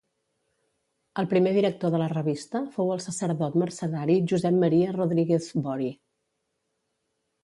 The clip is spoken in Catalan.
El primer director de la revista fou el sacerdot mercedari Josep Maria Rodríguez Bori.